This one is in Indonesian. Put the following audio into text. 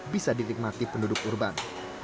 bisa ditikmati penduduk urban